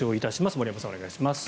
森山さん、お願いします。